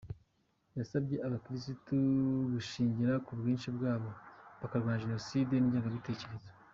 Yasabye abakirisitu gushingira ku bwinshi bwabo bakarwanya Jenoside n’ingengabitekerezo.